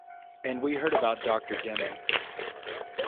And we heard about Doctor Deming.